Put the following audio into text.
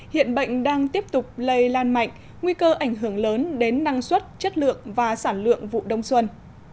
hiện bệnh đang tiếp tục lây lan mạnh nguy cơ ảnh hưởng lớn đến năng suất chất lượng và sản lượng vụ đông xuân